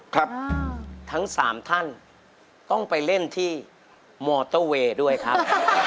ครับทั้งสามท่านต้องไปเล่นที่มอเตอร์เวย์ด้วยครับ